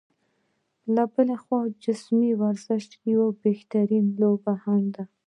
نو بلخوا د جسماني ورزش يوه بهترينه لوبه هم ده